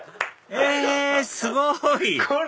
えすごい！